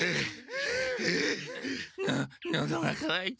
ののどがかわいた。